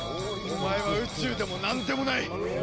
お前は宇宙でも何でもない！